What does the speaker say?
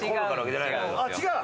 違う？